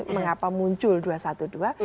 mengapa muncul dua satu dua